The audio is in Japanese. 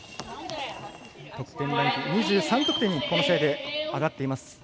得点ランク２３得点にこの試合で上がっています。